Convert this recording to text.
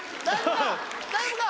大丈夫か？